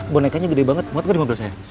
bonekanya gede banget muat gue di mobil saya